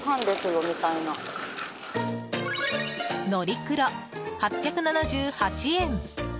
のりクロ、８７８円。